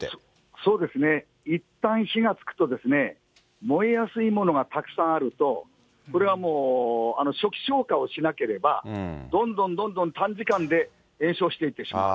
そうですね、いったん火がつくと、燃えやすいものがたくさんあると、それはもう、初期消火をしなければ、どんどんどんどん短時間で延焼していってしまう。